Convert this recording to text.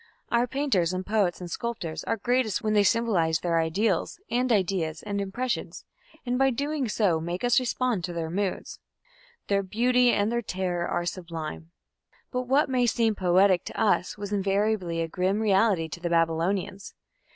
Our painters and poets and sculptors are greatest when they symbolize their ideals and ideas and impressions, and by so doing make us respond to their moods. Their "beauty and their terror are sublime". But what may seem poetic to us, was invariably a grim reality to the Babylonians.